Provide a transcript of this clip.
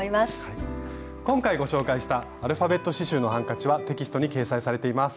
今回ご紹介したアルファベット刺しゅうのハンカチはテキストに掲載されています。